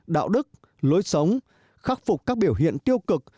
đạo đức lối sống khắc phục các biểu hiện tiêu cực